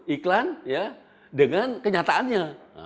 iklan dengan kenyataannya